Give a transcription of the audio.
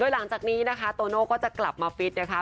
หลังจากนี้นะคะโตโน่ก็จะกลับมาฟิตนะคะ